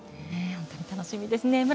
本当に楽しみですね